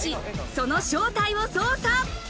その正体を捜査！